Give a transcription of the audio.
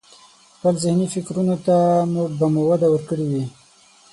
خپل ذهني فکرونو ته به مو وده ورکړي وي.